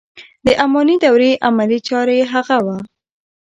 د اماني دورې عملي چاره یې هغه و.